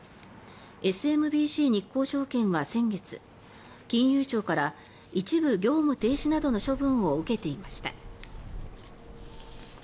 ＳＭＢＣ日興証券は先月金融庁から一部業務停止などの処分を受けていました。